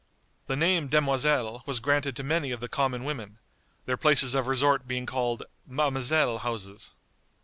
The name demoiselle was granted to many of the common women, their places of resort being called "Ma'amselle houses."